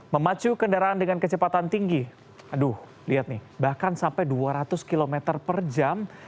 memacu kendaraan dengan kecepatan tinggi aduh lihat nih bahkan sampai dua ratus km per jam